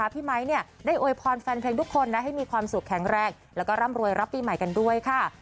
ไมค์ได้โวยพรแฟนเพลงทุกคนให้มีความสุขแข็งแรงแล้วก็ร่ำรวยรับปีใหม่กันด้วยค่ะ